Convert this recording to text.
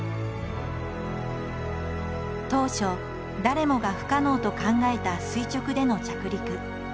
当初誰もが不可能と考えた垂直での着陸。